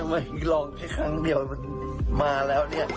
ลองแค่ครั้งเดียวมันมาแล้วเนี่ย